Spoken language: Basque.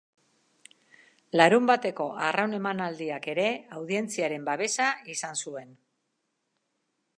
Larunbateko arraun emanaldiak ere audientziaren babesa izan zuen.